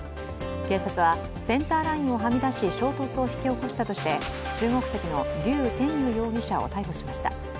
警察はセンターラインをはみ出し衝突を引き起こしたとして中国籍の龍天佑容疑者を逮捕しました。